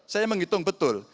saya menghitung betul